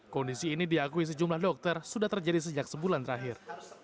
kondisi ini diakui sejumlah dokter sudah terjadi sejak sebulan terakhir